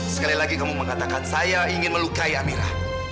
sekali lagi kamu mengatakan saya ingin melukai amirah